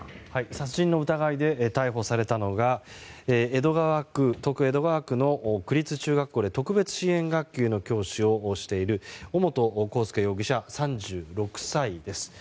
殺人の疑いで逮捕されたのが東京・江戸川区の区立中学校で特別支援学級の教師をしている尾本幸祐容疑者、３６歳です。